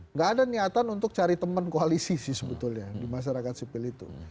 nggak ada niatan untuk cari teman koalisi sih sebetulnya di masyarakat sipil itu